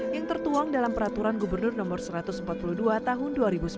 yang tertuang dalam peraturan gubernur no satu ratus empat puluh dua tahun dua ribu sembilan belas